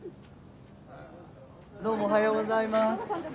どうもおはようございます。